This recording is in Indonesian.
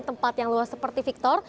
tempat yang luas seperti victor